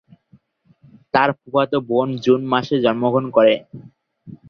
তার ফুফাতো বোন জুন মাসে জন্মগ্রহণ করে।